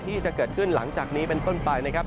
ที่จะเกิดขึ้นหลังจากนี้เป็นต้นไปนะครับ